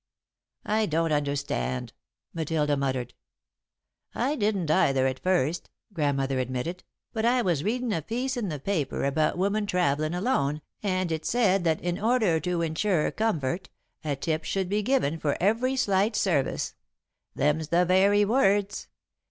"I don't understand," Matilda muttered. "I didn't either, at first," Grandmother admitted, "but I was readin' a piece in the paper about women travellin' alone and it said that 'in order to insure comfort, a tip should be given for every slight service.' Them's the very words."